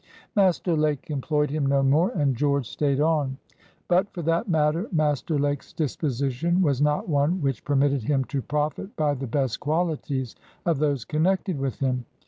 Master Lake employed him no more, and George stayed on. But, for that matter, Master Lake's disposition was not one which permitted him to profit by the best qualities of those connected with him.